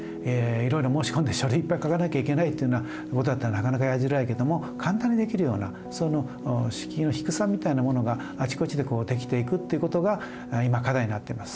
いろいろ申し込んで書類いっぱい書かなきゃいけないっていうようなことだったらなかなかやりづらいけども簡単にできるようなその敷居の低さみたいなものがあちこちでこう出来ていくっていうことが今課題になってます。